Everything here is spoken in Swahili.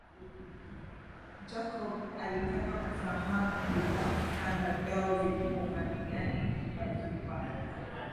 Jacob alitaka kufahamu pia vitanda vyao vilikuwa upande gani wa vyumba